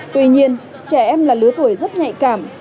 tuy nhiên trẻ em là lứa tuổi rất nhạy cảm